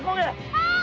はい！